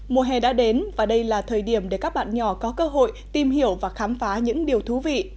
mùa hè đã đến và đây là thời điểm để các bạn nhỏ có cơ hội tìm hiểu và khám phá những điều thú vị